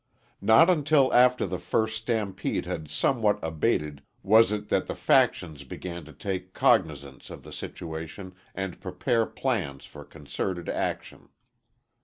Not until after the first stampede had somewhat abated was it that the factions began to take cognizance of the situation and prepare plans for concerted action.